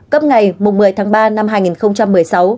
cấp ngày một mươi tháng ba năm hai nghìn một mươi sáu